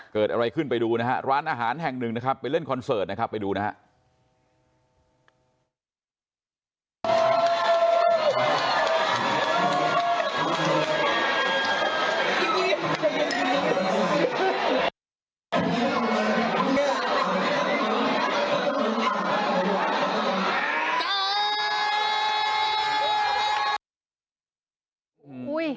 ไปดูนะฮะร้านอาหารแห่งหนึ่งนะครับไปเล่นคอนเสิร์ตนะครับไปดูนะฮะ